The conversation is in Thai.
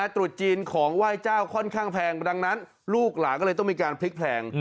ตรุษจีนของไหว้เจ้าค่อนข้างแพงดังนั้นลูกหลานก็เลยต้องมีการพลิกแพลง